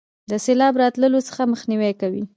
د سیلاب راتللو څخه مخنیوي کوي.